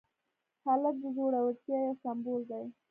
هلک د زړورتیا یو سمبول دی.